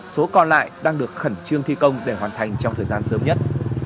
số còn lại đang được khẩn trương thi công để hoàn thành trong thời gian sớm nhất